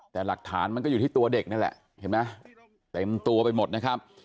แต่หลักฐานมันก็อยู่ที่ตัวเด็กนั่นแหละเห็นไหมเต็มตัวไปหมดนะครับ